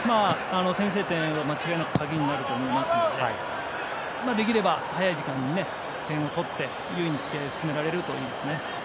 先制点が間違いなく鍵になると思いますのでできれば、早い時間に点を取って優位に試合を進められるといいですね。